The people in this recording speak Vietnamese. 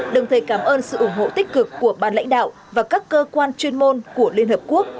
đồng thời cảm ơn sự ủng hộ tích cực của ban lãnh đạo và các cơ quan chuyên môn của liên hợp quốc